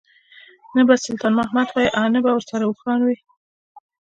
نه به سلطان محمد خان وي او نه سره اوښان وي.